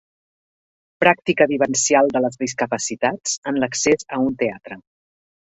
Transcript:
Pràctica vivencial de les discapacitats en l'accés a un teatre.